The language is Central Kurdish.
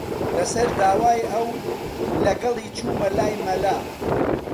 لەسەر داوای ئەو، لەگەڵی چوومە لای مەلا